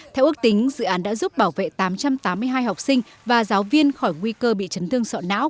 theo ước tính dự án đã giúp bảo vệ tám trăm tám mươi hai học sinh và giáo viên khỏi nguy cơ bị chấn thương sọ não